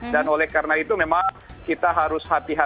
dan oleh karena itu memang kita harus hadirkan